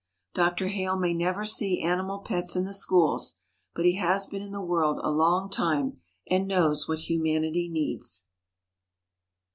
Dr. Hale may never see animal pets in the schools, but he has been in the world a long time, and knows what humanity needs.